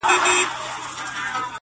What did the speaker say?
سترگي مي ړندې سي رانه وركه سې.